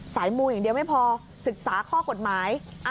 มูอย่างเดียวไม่พอศึกษาข้อกฎหมาย